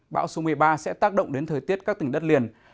bão số một mươi ba sẽ tác động đến thời tiết các tỉnh đất liền